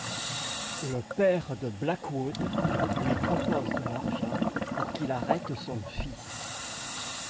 Le père de Blackwood lui propose de l'argent pour qu'il arrête son fils.